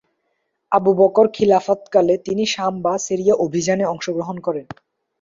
Abu Bakr খিলাফতকালে তিনি শাম বা সিরিয়া অভিযানে অংশগ্রহণ করেন।